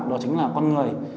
đó chính là con người